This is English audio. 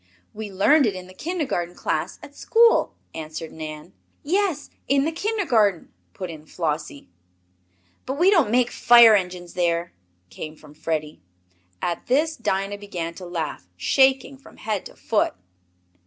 "We learned it in the kindergarten class at school," answered Nan. "Yes, in the kindergarten," put in Flossie. "But we don't make fire engines there," came from Freddie. At this Dinah began to laugh, shaking from head to foot.